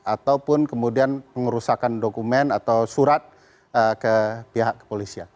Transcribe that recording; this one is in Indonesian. ataupun kemudian pengerusakan dokumen atau surat ke pihak kepolisian